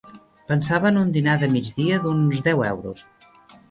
Pensava en un dinar de migdia d'uns deu euros.